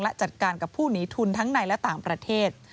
และจัดการกับผู้หนีทุนทั้งในและต่างประเทศ